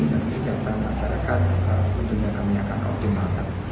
dan setiap masyarakat untuk menjaga minyak kautum makan